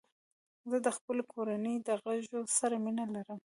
زه د خپلې کورنۍ د غړو سره مینه لرم.